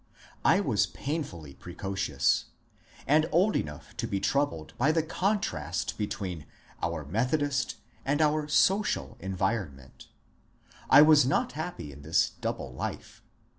I was painfully precocious, and old enough to be troubled by the contrast between our Metho dist and our social environment. I was not happy in this double life.